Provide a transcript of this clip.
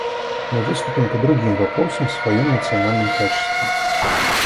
Мы выступим по другим вопросам в своем национальном качестве.